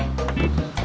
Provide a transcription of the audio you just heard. udah beres hp nya